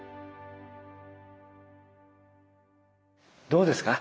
どうですか？